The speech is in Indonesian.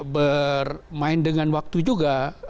bermain dengan waktu juga